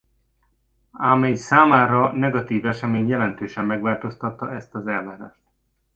Ám egy számára negatív esemény jelentősen megváltoztatta ezt az elvárást.